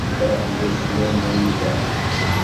একবার বেড়াতে গিয়েছিল নৈনিতালে।